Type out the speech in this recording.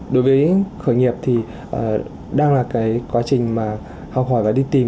đối với khởi nghiệp thì đang là cái quá trình mà học hỏi và đi tìm